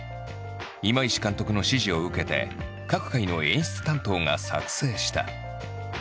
今石監督の指示を受けて各回の演出担当が作成した。